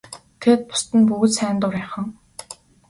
Тэгээд бусад нь бүгд сайн дурынхан.